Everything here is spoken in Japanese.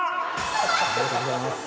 ありがとうございます。